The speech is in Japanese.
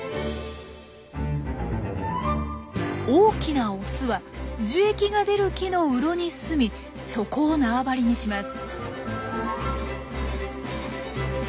大きなオスは樹液が出る木の洞にすみそこをなわばりにします。